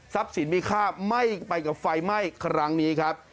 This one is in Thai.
ทรัพย์สินมีค่าไปกับไฟไหม้ครั้งนี้ครับ